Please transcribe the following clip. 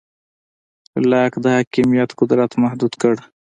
لاک د حاکمیت قدرت محدود کړ.